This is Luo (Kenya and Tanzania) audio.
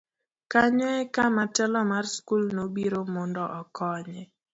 kanyo e kama telo mar skul nobiro mondo okonye